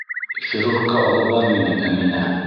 Хирургка алып бар мине, Әминә.